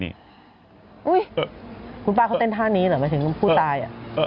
อุ๊ยคุณป้าเขาเต้นท่านี้เหรอหมายถึงผู้ตาย